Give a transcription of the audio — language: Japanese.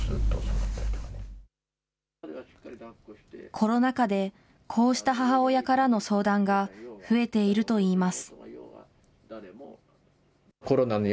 コロナ禍で、こうした母親からの相談が増えているといいます。